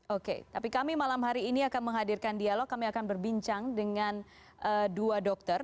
oke tapi kami malam hari ini akan menghadirkan dialog kami akan berbincang dengan dua dokter